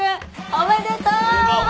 おめでとう。